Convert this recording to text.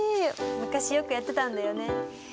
昔よくやってたんだよね。